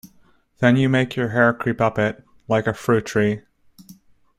Then you make your hair creep up it, like a fruit-tree.